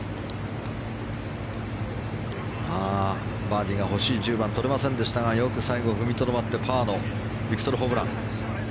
バーディーが欲しい１０番取れませんでしたがよく最後、踏みとどまってパーのビクトル・ホブラン。